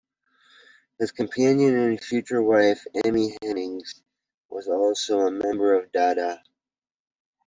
His companion and future wife, Emmy Hennings, was also a member of Dada.